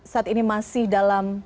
saat ini masih dalam